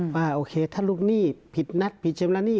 ว่าโอเคถ้าลูกหนี้ผิดรัฐผิดเชิงร้านหนี้